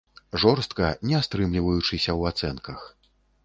Жорстка, не стрымліваючыся ў ацэнках.